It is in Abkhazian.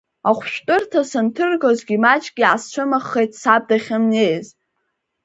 Ахәшәтәырҭа санҭыргозгьы маҷк иаасцәымыӷхеит саб дахьымнеиз.